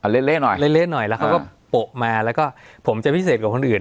เละหน่อยเละหน่อยแล้วเขาก็โปะมาแล้วก็ผมจะพิเศษกว่าคนอื่น